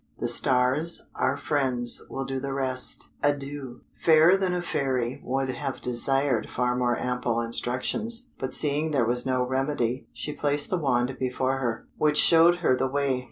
The stars, our friends, will do the rest. Adieu!" Fairer than a Fairy would have desired far more ample instructions; but seeing there was no remedy, she placed the wand before her, which showed her the way.